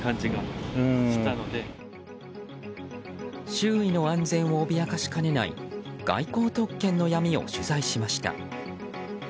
周囲の安全を脅かしかねない外交特権の闇を取材しました。